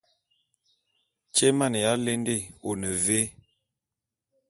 Tyé émaneya ya lende, one vé ?